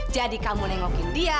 jadi kamu nengokin dia